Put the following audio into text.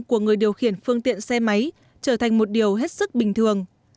của người điều khiển phương tiện xe máy trở thành một điều hết sức bình thường